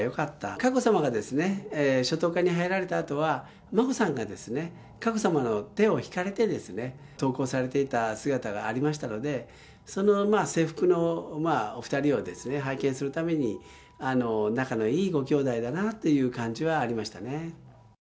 佳子さまが初等科に入られたあとは、眞子さんが佳子さまの手を引かれて、登校されていた姿がありましたので、その制服のお２人を拝見するたびに、仲のいいごきょうだいだなという感じはありましたね。